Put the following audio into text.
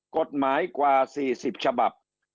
กฎหมายกว่า๔๐ฉบับ